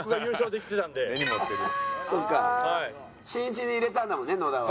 しんいちに入れたんだもんね野田は。